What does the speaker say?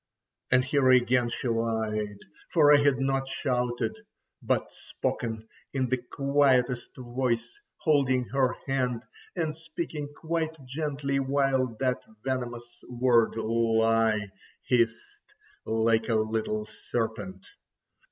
And here again she lied, for I had not shouted, but spoken in the quietest voice, holding her hand and speaking quite gently while that venomous word "lie" hissed like a little serpent.